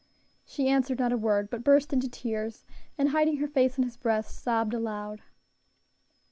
She answered not a word, but burst into tears, and hiding her face on his breast, sobbed aloud.